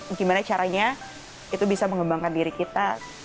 itu adalah gimana caranya itu bisa mengembangkan diri kita